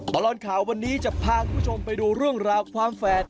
ตลอดข่าววันนี้จะพาคุณผู้ชมไปดูเรื่องราวความแฝด